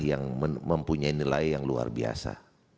yang mempunyai nilai yang luar biasa